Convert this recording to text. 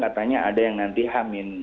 katanya ada yang nanti hamin